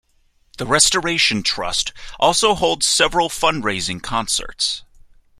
The Restoration Trust also holds several fundraising concerts.